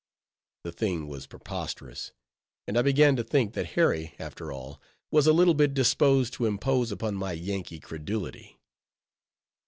The thing was preposterous; and I began to think, that Harry, after all, was a little bit disposed to impose upon my Yankee credulity.